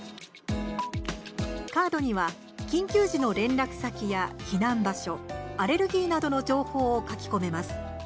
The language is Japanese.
カードには、緊急時の連絡先や避難場所、アレルギーなどの情報を書き込めます。